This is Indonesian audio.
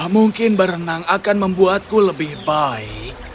mungkin berenang akan membuatku lebih baik